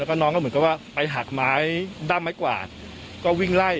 แล้วก็น้องก็เหมือนกับว่าไปหักไม้ด้ามไม้กวาดก็วิ่งไล่